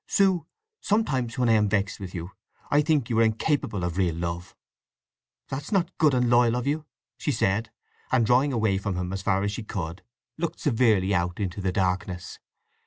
Sue, sometimes, when I am vexed with you, I think you are incapable of real love." "That's not good and loyal of you!" she said, and drawing away from him as far as she could, looked severely out into the darkness.